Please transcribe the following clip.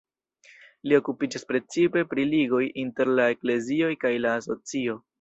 Li okupiĝas precipe pri ligoj inter la eklezioj kaj la socio.